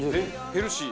ヘルシー！